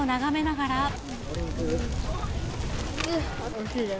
おいしいです。